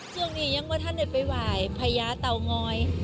ช่วงนี้ยังว่าท่านได้ไปไหว้พญาเตางอย